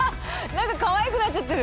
何かかわいくなっちゃってる！